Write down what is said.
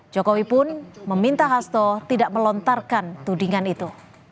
jokowi pun meminta hasto tidak melontarkan tudingan itu